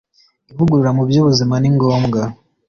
ivugurura mu byubuzima Ni ngombwa